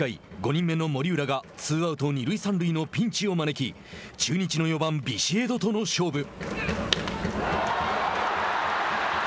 ５人目の森浦がツーアウト二塁三塁のピンチを招き中日の４番ビシエドとの勝負。